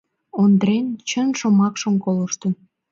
— Ондрен чын шомакшым колыштын.